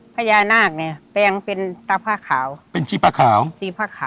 พญานาคเนี่ยแปลงเป็นพระแขวล์